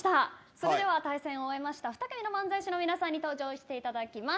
それでは対戦を終えました２組の漫才師の皆さんに登場していただきます。